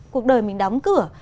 cuộc đời mình đóng cửa